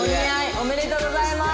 おめでとうございます。